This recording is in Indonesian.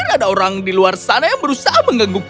aku pikir ada orang di luar sana yang berusaha mengangkatnya